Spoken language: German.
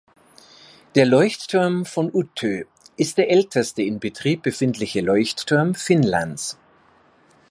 Der Leuchtturm von Utö ist der älteste in Betrieb befindliche Leuchtturm Finnlands.